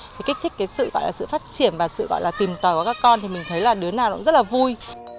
thì kích thích cái sự gọi là sự phát triển và sự gọi là tìm tòi của các con thì mình thấy là đứa nào cũng rất là vui